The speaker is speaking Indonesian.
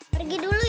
pergi dulu ya